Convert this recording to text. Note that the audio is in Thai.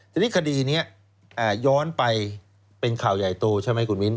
ทีนี้คดีนี้ย้อนไปเป็นข่าวใหญ่โตใช่ไหมคุณมิ้น